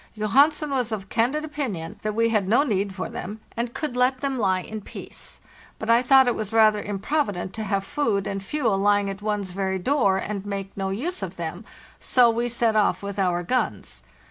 Johansen was of candid opinion that we had no need for them, and could let them he in peace; but I thought it was rather improvident to have food and fuel lying at one's very door and make no use of them, so we set off with our guns.